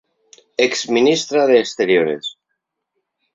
Ex-ministra de Exteriores.